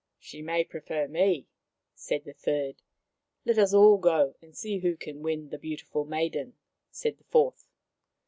She may prefer me," said the third. Let us all go and see who can win the beauti ful maiden/' said the fourth.